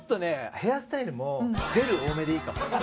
ヘアスタイルもジェル多めでいいかも。